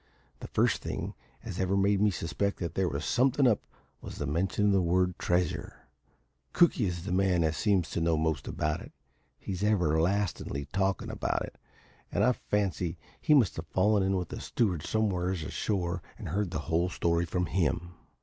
The first thing as ever made me suspect that there was somethin' up was the mention of the word `treasure.' Cookie is the man as seems to know most about it he's everlastin'ly talkin' about it and I fancy he must have fallen in with the steward somewheres ashore and heard the whole story from him."